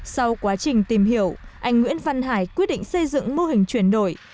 sau quá trình tìm hiểu anh nguyễn văn hải quyết định xây dựng mô hình chuyển đổi